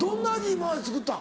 今まで作った？